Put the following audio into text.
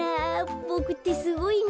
ボクってすごいな。